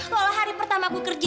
kalau hari pertama aku kerja